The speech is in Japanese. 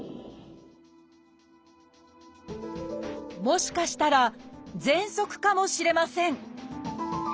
もしかしたら「ぜんそく」かもしれません。